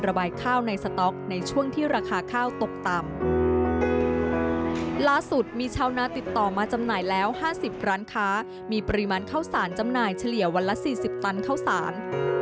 ล่าสุดมีชาวนาติดต่อมาจำหน่ายแล้ว๕๐ร้านค้ามีปริมาณข้าวสารจำหน่ายเฉลี่ยวันละ๔๐ตันข้าวสาร